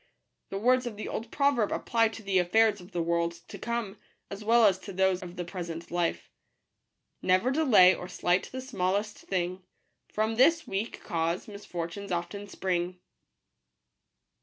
The words of the old proverb apply to the affairs of the world to come, as well as to those of the present life :— Never delay or slight the smallest thing; From this weak cause misfortunes often spring.